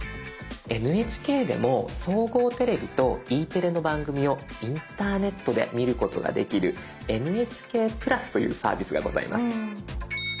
ＮＨＫでも総合テレビとＥテレの番組をインターネットで見ることができる「ＮＨＫプラス」というサービスがございます。